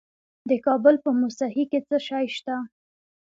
د کابل په موسهي کې څه شی شته؟